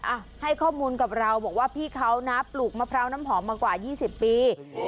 อ่ะให้ข้อมูลกับเราบอกว่าพี่เขานะปลูกมะพร้าวน้ำหอมมากว่า๒๐ปี